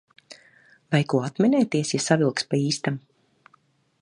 Vai ko atminēties, ja savilks pa īstam?